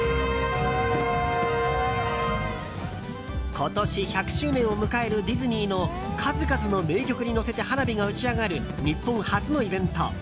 今年１００周年を迎えるディズニーの数々の名曲に乗せて花火が打ち上がる日本初のイベント